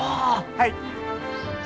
はい。